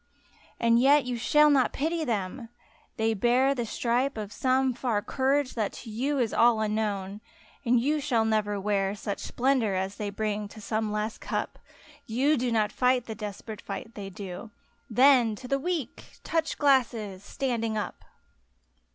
And yet you shall not pity them ! They bear The stripe of some far courage that to you Is all unknown — and you shall never wear Such splendor as they bring to some last eup ; You do not fight the desperate fight they do ; Then — ^to the Weak ! Touch glasses ! standing up